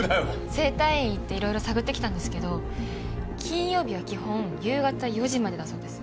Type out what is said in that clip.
整体院行っていろいろ探って来たんですけど金曜日は基本夕方４時までだそうです。